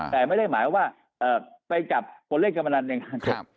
แต่ไม่ได้หมายว่าไปจับคนเล่นการพนันในอนาคต